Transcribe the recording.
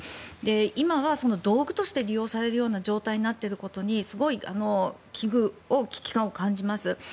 今はその道具として利用される状態になっていることにすごい危機感を感じます。